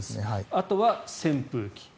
あとは扇風機。